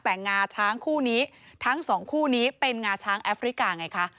แต่งาช้างคู่นี้ทั้งสองคู่นี้เป็นงาช้างแอฟริกาไงคะ